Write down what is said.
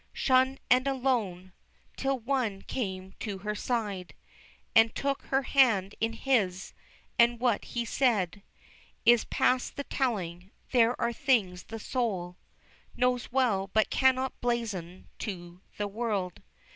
Shunned and alone, Till One came to her side, And took her hand in His, and what He said Is past the telling; there are things the soul Knows well, but cannot blazon to the world.